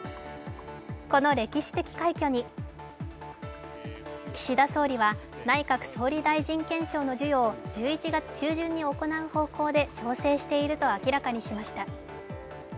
この歴史的快挙に岸田総理は内閣総理大臣顕彰の授与を１１月中旬に行う方向で調整していると明らかにしました。